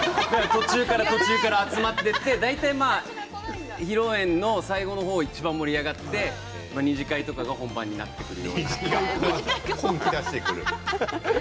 途中から集まってきて披露宴の最後の方がいちばん盛り上がって二次会とかが本番になってくる。